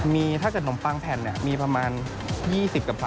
มีถ้าเกิดนมปังแผ่นมีประมาณ๒๐กับ๓